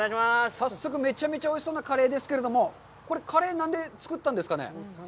早速めちゃめちゃおいしそうなカレーですけれども、これ、カレー、何で作ったんですかね。